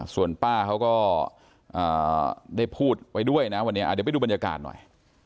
ส่วนป้าเขาก็ได้พูดไปด้วยนะวันนี้เดี๋ยวไปดูบรรยากาศหน่อย